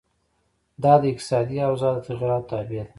دا د اقتصادي اوضاع د تغیراتو تابع ده.